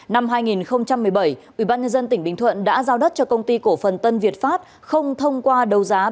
năm hai nghìn một mươi bảy ubnd tỉnh bình thuận đã giao đất cho công ty cổ phần tân việt pháp không thông qua đấu giá